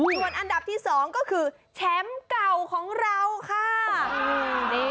ส่วนอันดับที่๒ก็คือแชมป์เก่าของเราค่ะ